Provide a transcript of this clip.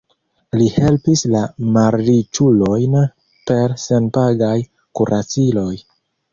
Li helpis la malriĉulojn per senpagaj kuraciloj.